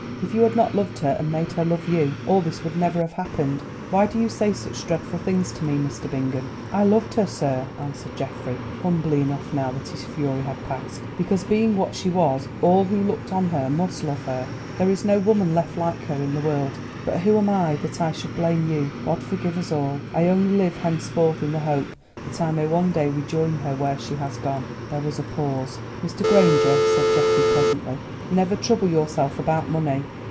If you had not loved her, and made her love you, all this would never have happened. Why do you say such dreadful things to me, Mr. Bingham?" "I loved her, sir," answered Geoffrey, humbly enough now that his fury had passed, "because being what she was all who looked on her must love her. There is no woman left like her in the world. But who am I that I should blame you? God forgive us all! I only live henceforth in the hope that I may one day rejoin her where she has gone." There was a pause. "Mr. Granger," said Geoffrey presently, "never trouble yourself about money.